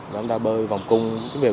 và chúng ta bơi vòng cung